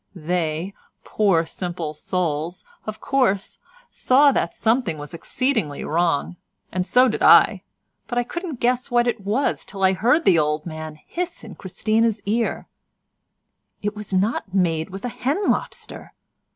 They, poor simple souls, of course saw that something was exceedingly wrong, and so did I, but I couldn't guess what it was till I heard the old man hiss in Christina's ear: "It was not made with a hen lobster.